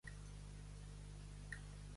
Home de Déu!